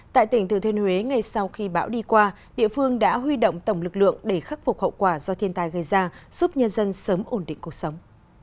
tại tỉnh thừa thiên huế ngay sau khi bão đi qua địa phương đã huy động tổng lực lượng để khắc phục hậu quả do thiên tai gây ra giúp nhân dân sớm ổn định cuộc sống